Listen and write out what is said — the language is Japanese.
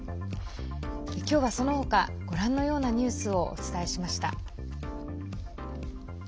今日はその他、ご覧のようなニュースをお伝えしました。